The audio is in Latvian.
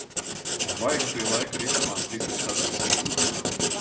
Un vaigs bija laika ritumā stipri sadauzīts.